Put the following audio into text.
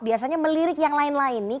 biasanya melirik yang lain lain nih